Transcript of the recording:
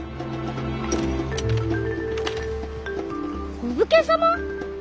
お武家様！？